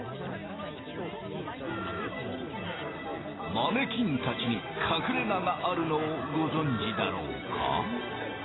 マネキンたちに隠れががあるのをご存じだろうか？